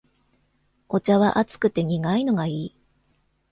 お茶は熱くて苦いのがいい